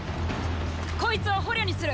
こいつを捕虜にする！